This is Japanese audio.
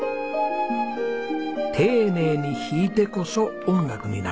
丁寧に弾いてこそ音楽になる。